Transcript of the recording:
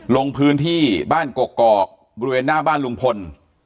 ลงพื้นที่บ้านกกอกบริเวณหน้าบ้านลุงพล